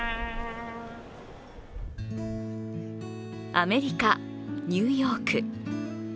アメリカ・ニューヨーク。